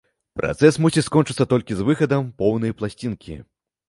Працэс мусіць скончыцца толькі з выхадам поўнай пласцінкі.